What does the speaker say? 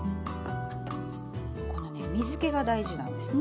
このね水けが大事なんですね。